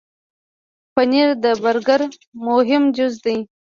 پنېر د برګر مهم جز دی.